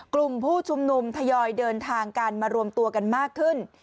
กลุ่มผู้ชุมนุมทยอยเดินทางกันมารวมตัวกันมากขึ้น